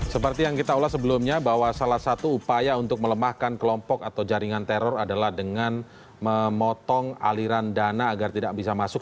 seperti yang kita ulas sebelumnya bahwa salah satu upaya untuk melemahkan kelompok atau jaringan teror adalah dengan memotong aliran dana agar tidak bisa masuk